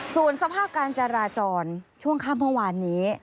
ส่วนสภาพการจราจรช่วงพระว่านนี้